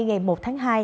ngày một tháng hai